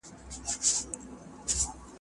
د دلارام ولسوالي د فراه له ګلستان سره ګډ کلتور لري